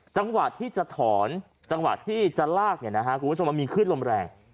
จังหวัดที่จะถอนจังหวิดที่จะลากสมมุติชอบมีขึ้นรมแรง